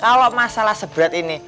kalau masalah seberat ini